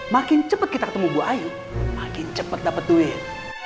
makin cepet kita ketemu ibu ayu makin cepet dapet duit